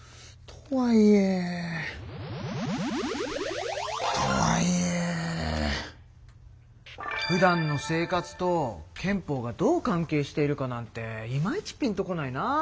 とはいえ。ふだんの生活と憲法がどう関係しているかなんてイマイチピンと来ないな。